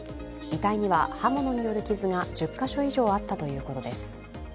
遺体には刃物による傷が１０カ所以上あったということです。